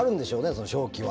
その勝機は。